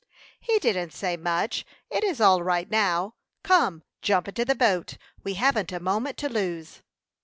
"He didn't say much; it is all right now. Come, jump into the boat. We haven't a moment to lose."